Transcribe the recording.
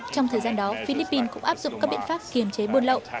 trong thời gian đó philippines cũng áp dụng các biện pháp kiềm chế buôn lậu